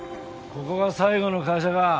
ここが最後の会社か。